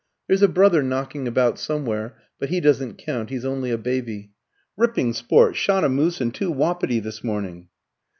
There's a brother knocking about somewhere, but he doesn't count, he's only a baby. Ripping sport shot a moose and two wapiti this morning."